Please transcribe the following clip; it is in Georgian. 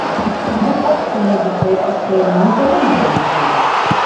მოჰყავდათ სიმინდი, ფეტვი, ქერი, მისდევდნენ მევენახეობას.